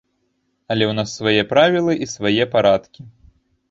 Але ў нас свае правілы і свае парадкі.